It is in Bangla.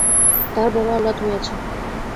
তাহার বড়ো আহ্লাদ হইয়াছে।